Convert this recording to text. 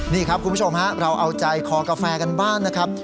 นี่ครับคุณผู้ชมฮะเราเอาใจคอกาแฟกันบ้างนะครับ